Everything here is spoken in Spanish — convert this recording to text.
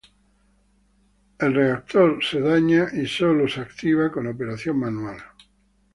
El reactor es dañado y solo es activado con operación manual.